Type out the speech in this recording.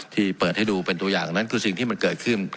ที่เปิดให้ดูเป็นตัวอย่างนั้นคือสิ่งที่มันเกิดขึ้น